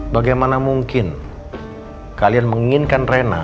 bagaimana mungkin kalian menginginkan rena